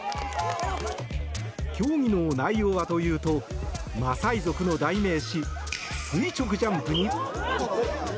競技の内容はというとマサイ族の代名詞垂直ジャンプに。